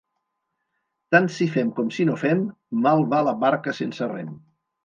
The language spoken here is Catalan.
Tant si fem com si no fem, mal va la barca sense rem.